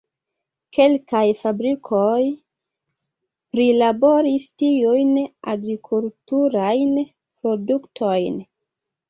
Kelkaj fabrikoj prilaboris tiujn agrikulturajn produktojn.